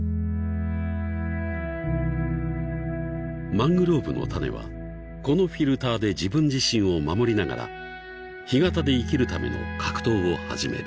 ［マングローブの種はこのフィルターで自分自身を守りながら干潟で生きるための格闘を始める］